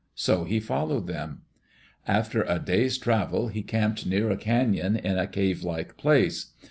So he followed them. After a day's travel he camped near a canon, in a cavelike place.